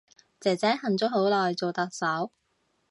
姐姐恨咗好耐做特首